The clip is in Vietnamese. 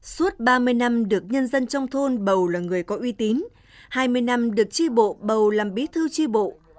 suốt ba mươi năm được nhân dân trong thôn bầu là người có uy tín hai mươi năm được tri bộ bầu làm bí thư tri bộ